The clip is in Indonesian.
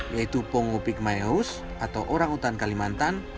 yaitu pongo pygmaeus atau orang utan kalimantan